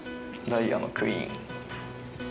ダイヤのクイーン。